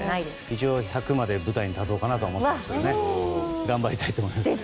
一応、１００まで舞台に立とうと思って頑張りたいと思います。